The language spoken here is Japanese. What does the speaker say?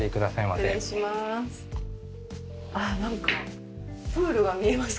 失礼します。